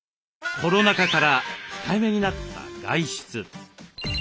コロナ禍から控えめになった外出。